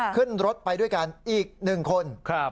ขึ้นรถไปด้วยกันอีก๑คน